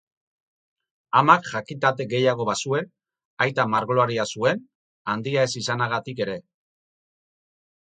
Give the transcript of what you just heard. Amak jakitate gehiago bazuen, aita margolaria zuen, handia ez izanagatik ere.